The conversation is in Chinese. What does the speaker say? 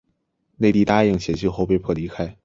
内蒂答应写信后被迫离开。